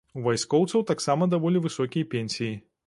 У вайскоўцаў таксама даволі высокія пенсіі.